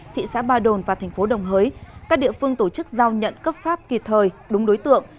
thị xã ba đồn và thành phố đồng hới các địa phương tổ chức giao nhận cấp pháp kịp thời đúng đối tượng